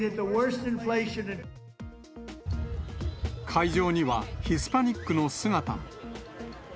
会場には、ヒスパニックの姿も。